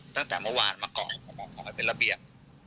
ตั้งแต่เมื่อวานมาก่อนขอให้เป็นระเบียบ